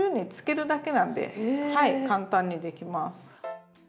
簡単にできます。